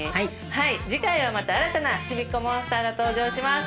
はい次回はまた新たなちびっこモンスターが登場します。